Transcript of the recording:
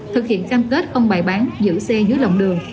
thực hiện cam kết không bài bán giữ xe dưới lòng đường